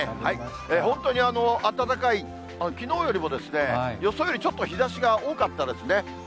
本当に暖かい、きのうよりも、予想よりちょっと日ざしが多かったですね。